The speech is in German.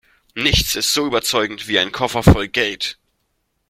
Nichts ist so überzeugend wie ein Koffer voll Geld.